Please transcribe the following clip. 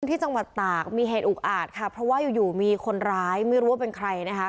ที่จังหวัดตากมีเหตุอุกอาจค่ะเพราะว่าอยู่อยู่มีคนร้ายไม่รู้ว่าเป็นใครนะคะ